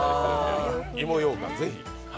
芋ようかん、ぜひ。